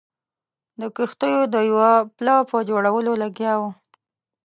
د کښتیو د یوه پله په جوړولو لګیا وو.